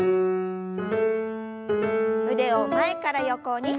腕を前から横に。